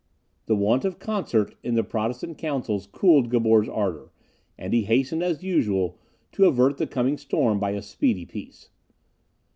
The want of concert in the Protestant counsels cooled Gabor's ardour; and he hastened, as usual, to avert the coming storm by a speedy peace.